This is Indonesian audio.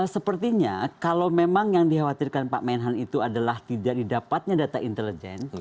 sepertinya kalau memang yang dikhawatirkan pak menhan itu adalah tidak didapatnya data intelijen